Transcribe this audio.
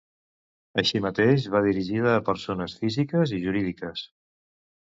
Així mateix, va dirigida a persones físiques i jurídiques.